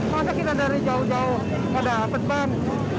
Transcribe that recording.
karena kita dari jauh jauh ada petban